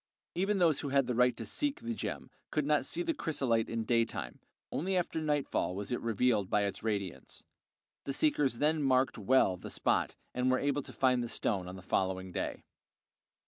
Even those who had the right to seek the gem could not see the chrysolite in daytime; only after nightfall was it revealed by its radiance; the seekers then marked well the spot and were able to find the stone on the following day.